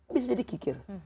bisa jadi kikir